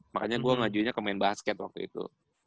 makanya gue ngajuinnya ke main basket waktu itu